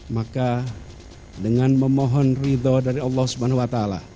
maka dengan memohon ridho dari allah swt